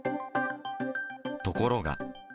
ところが。